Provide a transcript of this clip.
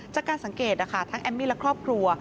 จากการสังเกตนะคะทั้งแอมมี่และครอบครัว